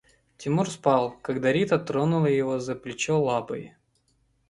Тимур спал, когда Рита тронула его за плечо лапой.